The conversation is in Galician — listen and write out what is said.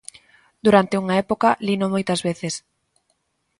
Durante unha época lino moitas veces.